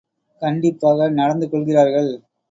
கண்டிப்பாக நடந்து கொள்கிறார்கள்.